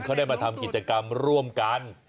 เขาได้มาทำกิจกรรมร่วมกัน